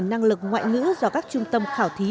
năng lực ngoại ngữ do các trung tâm khảo thí